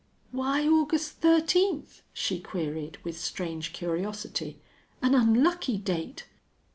"Why August thirteenth?" she queried, with strange curiosity. "An unlucky date!"